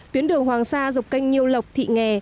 tuyến đường hoàng sa dọc kênh nhiêu lộc thị nghè